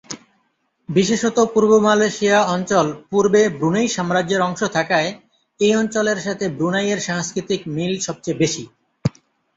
বিশেষত পূর্ব মালয়েশিয়া অঞ্চল পূর্বে ব্রুনাই সাম্রাজ্যের অংশ থাকায়, এই অঞ্চলের সাথে ব্রুনাই এর সাংস্কৃতিক মিল সবচেয়ে বেশি।